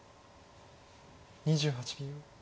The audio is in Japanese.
２８秒。